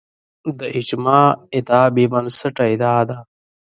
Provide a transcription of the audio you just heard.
د اجماع ادعا بې بنسټه ادعا ده